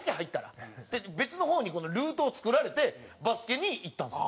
って別の方にルートを作られてバスケにいったんですよ。